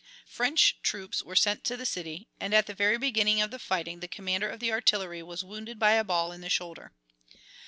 French troops were sent to the city, and at the very beginning of the fighting the commander of the artillery was wounded by a ball in the shoulder.